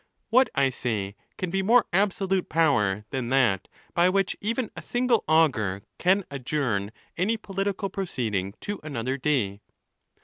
What, I say, can be more abso lute power than that by which even a single augur can . adjourn any political proceeding to another day?